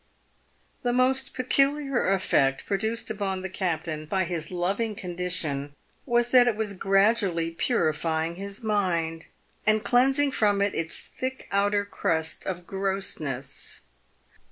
The most peculiar effect produced upon the captain by his loving condition, was that it was gradually purifying his mind, and cleansing it from its thick outer crust of grossness.